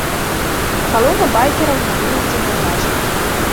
Калона байкераў на выездзе на трасу.